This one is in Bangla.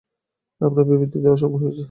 আপনার বিবৃতি দেয়ার সময় হয়েছে।